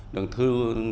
đường thư chuyển phát nhanh